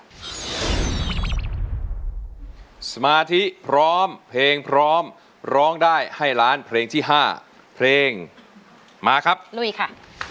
สมาธิพร้อมเพลงพร้อมร้องได้ให้ล้านเพลงที่๕เพลงมาครับลุยค่ะ